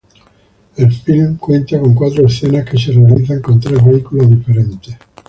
El filme cuenta con cuatro escenas que se realizan con tres vehículos diferentes.